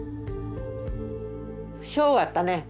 ショーがあったね